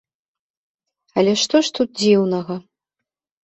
Але што ж тут дзіўнага!?